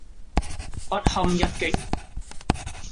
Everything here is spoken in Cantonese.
不堪一擊